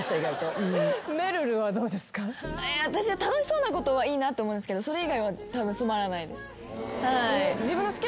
私は楽しそうなことはいいなと思うんですけどそれ以外はたぶん染まらないです。